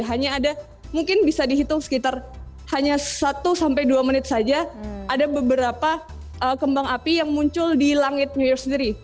hanya ada mungkin bisa dihitung sekitar hanya satu sampai dua menit saja ada beberapa kembang api yang muncul di langit new york sendiri